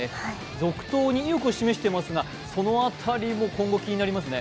続投に意欲を示していますが、その辺りも今後気になりますね。